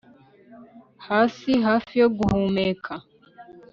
hasi, hafi yo guhumeka